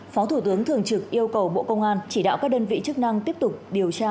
phó thủ tướng thường trực yêu cầu bộ công an chỉ đạo các đơn vị chức năng tiếp tục điều tra